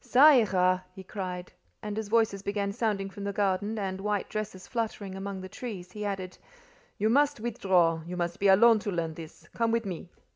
"Ca ira!" he cried; and as voices began sounding from the garden, and white dresses fluttering among the trees, he added: "You must withdraw: you must be alone to learn this. Come with me."